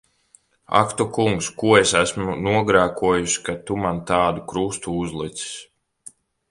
Ak tu Kungs! Ko es esmu nogrēkojusi, ka tu man tādu krustu uzlicis!